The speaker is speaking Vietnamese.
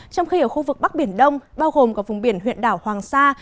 trong khi ở khu vực bắc biển đông bao gồm cả vùng biển huyện đảo hoàng sa